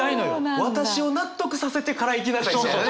私を納得させてから行きなさいみたいなね！